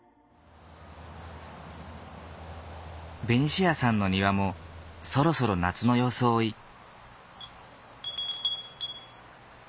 ベニシアさんの庭もそろそろ夏の装い。